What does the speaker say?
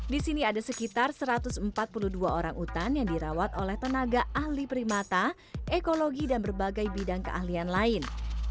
di sini ada sekitar satu ratus empat puluh dua orang utan yang dirawat oleh tenaga ahli primata ekologi dan berbagai bidang keahlian lain